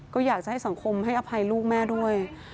ก็อยากจะให้สังคมให้อภัยลูกแม่ด้วย